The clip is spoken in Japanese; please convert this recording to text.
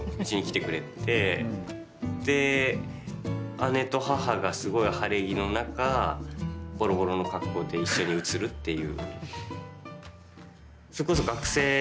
姉と母がすごい晴れ着の中ぼろぼろの格好で一緒に写るっていう。